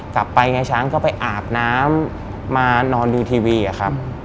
กลับไปไงช้างก็ไปอาบน้ำมานอนดูทีวีอะครับ